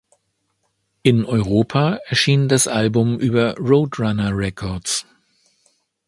In Europa erschien das Album über Roadrunner Records.